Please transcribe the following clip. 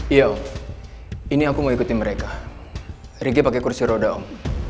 iya ini aku mau ikuti mereka ricky pakai kursi roda om